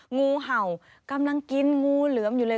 งูเห่ากำลังกินงูเหลือมอยู่เลย